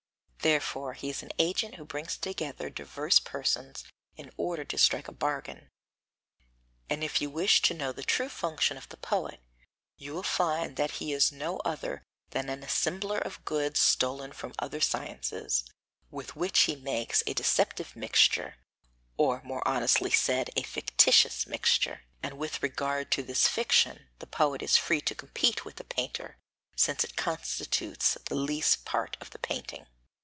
Therefore he is an agent who brings together diverse persons in order to strike a bargain; and if you wish to know the true function of the poet, you will find that he is no other than an assembler of goods stolen from other sciences, with which he makes a deceptive mixture, or more honestly said, a fictitious mixture. And with regard to this fiction the poet is free to compete with the painter, since it constitutes the least part of the painting.